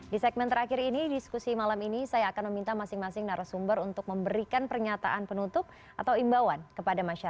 di segmen terakhir ini diskusi malam ini saya akan meminta masing masing narasumber untuk memberikan pernyataan penutup atau imbauan kepada masyarakat